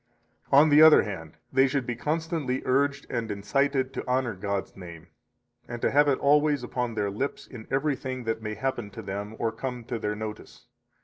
70 On the other hand, they should be constantly urged and incited to honor God's name, and to have it always upon their lips in everything that may happen to them or come to their notice.